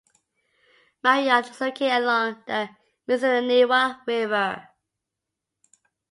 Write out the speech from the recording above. Marion is located along the Mississinewa River.